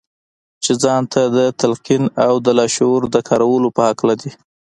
چې ځان ته د تلقين او د لاشعور د کارولو په هکله دي.